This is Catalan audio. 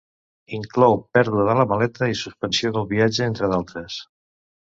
Inclou pèrdua de la maleta i suspensió del viatge entre d'altres.